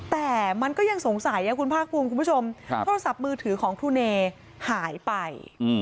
แต่มันก็ยังสงสัยคุณภาคภูมิคุณผู้ชมโทรศัพท์มือถือของครูเนหายไป